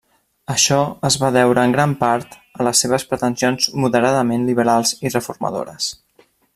Això es va deure en gran part a les seves pretensions moderadament liberals i reformadores.